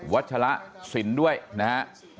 ชะละสินด้วยนะฮะ